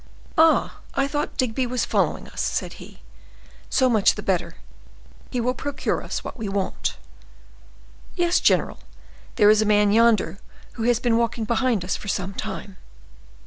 "Ah! I thought Digby was following us!" said he. "So much the better; he will procure us what we want." "Yes, general, there is a man yonder who has been walking behind us for some time."